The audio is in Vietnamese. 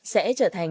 sẽ trở thành